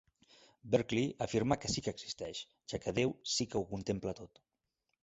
Berkeley afirma que sí que existeix, ja que Déu sí que ho contempla tot.